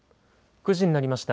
９時になりました。